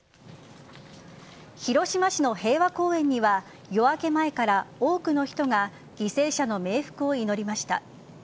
広島市の平和公園には夜明け前から多くの人が犠牲者の冥福を祈りました。